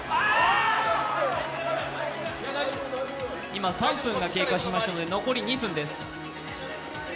今３分が経過しましたので残り２分です。